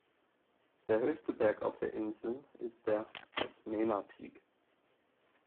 Der höchste Berg auf der Insel ist der Osmeña Peak.